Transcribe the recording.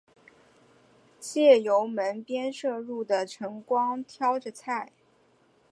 借由门边射入的晨光挑著菜